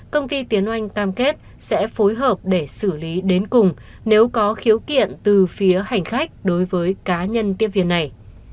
công ty tiến oanh cam kết sẽ phối hợp để xử lý đến cùng nếu có khiếu kiện từ phía hành khách đối với cá nhân tiếp viên này